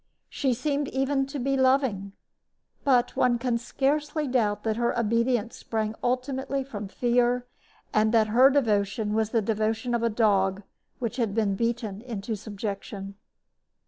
She seemed even to be loving; but one can scarcely doubt that her obedience sprang ultimately from fear and that her devotion was the devotion of a dog which has been beaten into subjection.